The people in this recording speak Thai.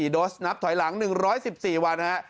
๓๗๔๖๑๒๘๔โดสนะฮะถอยหลัง๑๑๔วันนะฮะ